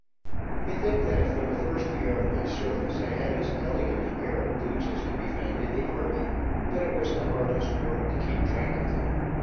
I think that for the first year of my service I had as elegant a pair of boots as could be found in the army. But it was the hardest work to keep track of them.